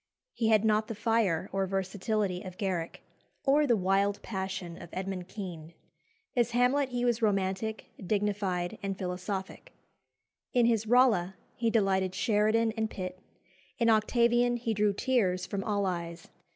He had not the fire or versatility of Garrick, or the wild passion of Edmund Kean. As Hamlet he was romantic, dignified, and philosophic. In his Rolla he delighted Sheridan and Pitt; in Octavian he drew tears from all eyes.